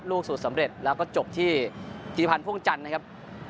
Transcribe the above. ลูกสุดสำเร็จแล้วก็จบที่ธิพันธ์พ่วงจันทร์นะครับ